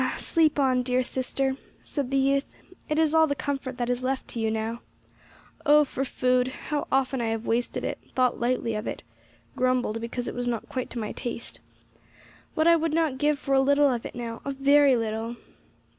"Ah! sleep on, dear sister," said the youth, "it is all the comfort that is left to you now. Oh for food! How often I have wasted it; thought lightly of it; grumbled because it was not quite to my taste! What would I not give for a little of it now a very little!"